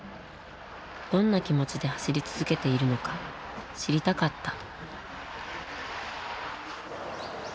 どんな気持ちで走り続けているのか知りたかった。